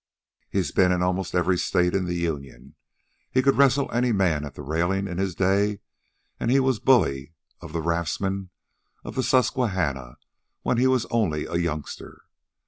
He's been in almost every state in the Union. He could wrestle any man at the railings in his day, an' he was bully of the raftsmen of the Susquehanna when he was only a youngster.